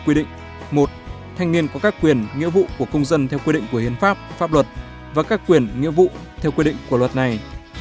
quy định một thanh niên có các quyền nghĩa vụ của công dân theo quy định của hiến pháp pháp luật và các quyền nghĩa vụ theo quy định của luật này